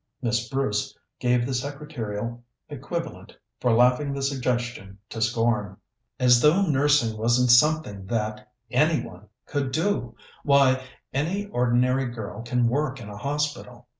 Miss Bruce gave the secretarial equivalent for laughing the suggestion to scorn. "As though nursing wasn't something that anyone could do! Why, any ordinary girl can work in a hospital.